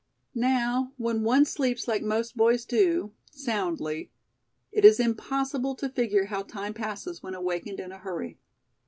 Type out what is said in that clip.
Now, when one sleeps like most boys do, soundly, it is impossible to figure how time passes when awakened in a hurry.